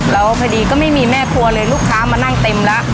แล้วพอดีก็ไม่มีแม่ครัวเลยลูกค้ามานั่งเต็มแล้ว